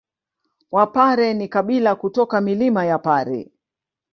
Wapare ni kabila kutoka milima ya Pare